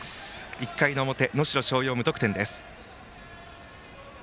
１回の表能代松陽、無得点です。